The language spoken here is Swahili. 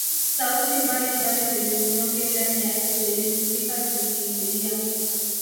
Sauti mbali mbali zenye unyonge ndani yake zilisikika zikimlilia